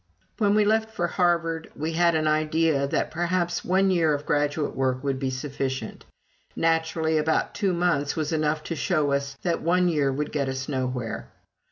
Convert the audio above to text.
When we left for Harvard, we had an idea that perhaps one year of graduate work would be sufficient. Naturally, about two months was enough to show us that one year would get us nowhere.